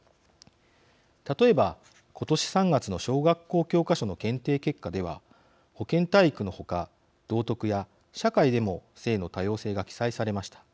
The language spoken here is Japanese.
例えば今年３月の小学校教科書の検定結果では保健体育のほか道徳や社会でも性の多様性が記載されました。